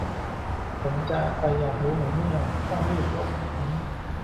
ผมจะไปอยากรู้ไหมเนี่ย ต้องรีบลบทิ้ง